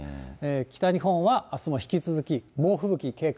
北日本はあすも引き続き、猛吹雪警戒。